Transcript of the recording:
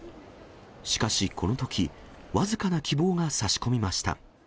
しかしこのとき、僅かな希望がさし込みました。